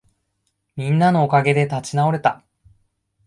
みんなのおかげで立ち直れた